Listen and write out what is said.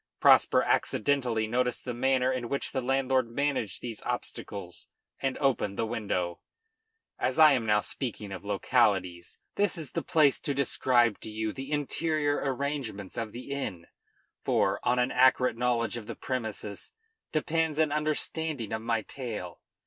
Prosper accidentally noticed the manner in which the landlord managed these obstacles and opened the window. As I am now speaking of localities, this is the place to describe to you the interior arrangements of the inn; for, on an accurate knowledge of the premises depends an understanding of my tale.